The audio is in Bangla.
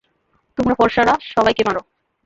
তোমরা ফর্সা রা সবাইকে মার!